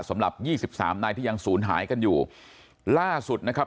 สำหรับในที่ยังสูญหายกันอยู่ล่าสุดนะครับ